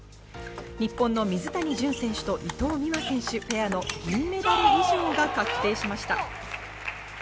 日本の水谷隼選手と伊藤美誠選手ペアの銀メダル以上が確定しました。